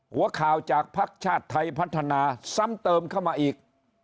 หัวข่าวจากภักดิ์ชาติไทยพัฒนาซ้ำเติมเข้ามาอีก